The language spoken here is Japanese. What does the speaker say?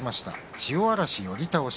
千代嵐が寄り倒し。